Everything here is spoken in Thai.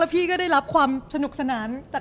พี่ก็ได้รับความสนุกสนาน